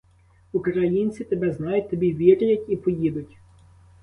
Українці тебе знають, тобі вірять і поїдуть.